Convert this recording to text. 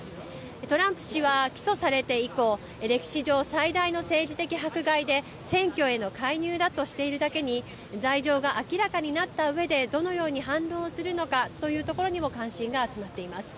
トランプ氏は起訴されて以降、歴史上最大の政治的迫害で、選挙への介入だとしているだけに、罪状が明らかになったうえで、どのように反論をするのかというところにも関心が集まっています。